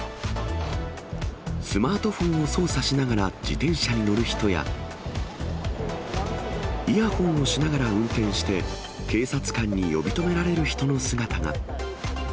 スマートフォンを操作しながら自転車に乗る人や、イヤホンをしながら運転して、警察官に呼び止められる人の姿が。